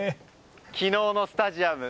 昨日のスタジアム